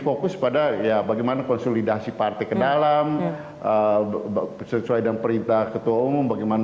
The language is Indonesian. fokus pada ya bagaimana konsolidasi partai ke dalam sesuai dengan perintah ketua umum bagaimana